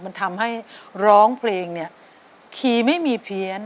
มันทำให้ร้องเพลงขี่ไม่มีเพียน